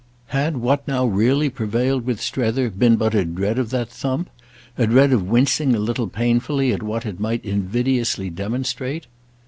Had what now really prevailed with Strether been but a dread of that thump—a dread of wincing a little painfully at what it might invidiously demonstrate?